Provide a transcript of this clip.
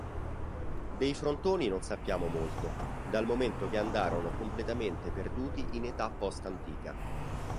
Dei frontoni non sappiamo molto, dal momento che andarono completamente perduti in età post-antica.